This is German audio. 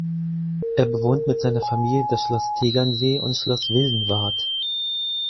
Er bewohnt mit seiner Familie das Schloss Tegernsee und Schloss Wildenwart.